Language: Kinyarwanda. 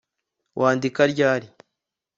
Wandika ryari